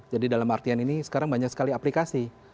jadi dalam artian ini sekarang banyak sekali aplikasi